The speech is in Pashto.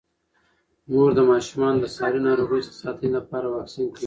مور د ماشومانو د ساري ناروغیو څخه د ساتنې لپاره واکسین کوي.